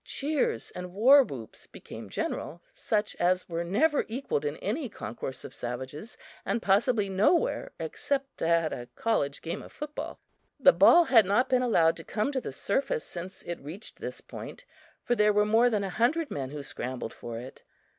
Cheers and war whoops became general, such as were never equaled in any concourse of savages, and possibly nowhere except at a college game of football. The ball had not been allowed to come to the surface since it reached this point, for there were more than a hundred men who scrambled for it.